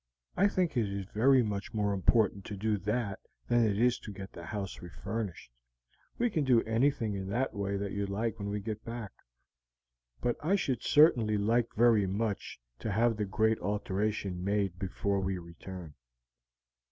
I think it is very much more important to do that than it is to get the house refurnished; we can do anything in that way you like when we get back, but I should certainly like very much to have the great alteration made before we return."